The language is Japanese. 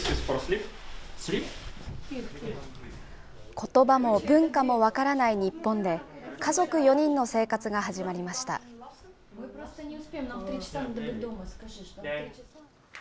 ことばも文化も分からない日本で、家族４人の生活が始まりました。